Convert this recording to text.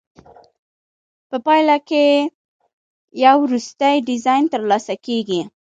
په پایله کې یو وروستی ډیزاین ترلاسه کیږي.